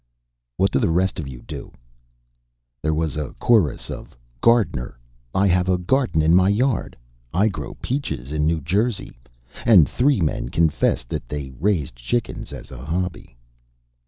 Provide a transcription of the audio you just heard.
"What do the rest of you do?" There was a chorus of "gardener," "I have a garden in my yard," "I grow peaches in New Jersey," and three men confessed that they raised chickens as a hobby.